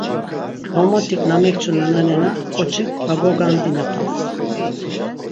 Ğormotik na mekçu nananena ǩoçik var gogandinapas!